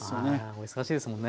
お忙しいですもんね。